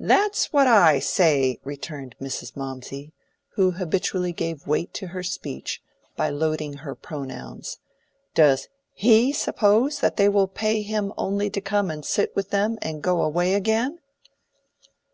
"That is what I say," returned Mrs. Mawmsey, who habitually gave weight to her speech by loading her pronouns. "Does he suppose that people will pay him only to come and sit with them and go away again?"